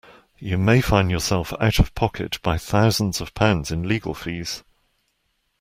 You may find yourself out of pocket by thousands of pounds in legal fees.